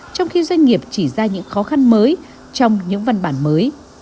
trong khi doanh nghiệp chỉ ra những khó khăn mới trong những văn bản mới